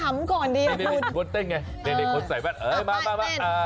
ไม่รู้สึกจะสงสารเหมือนว่าเราขำก่อนดี